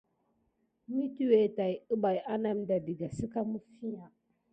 Mesuwa tät kuɓaï aname ɗa daka sika mifiya.